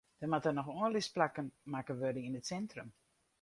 Der moatte noch oanlisplakken makke wurde yn it sintrum.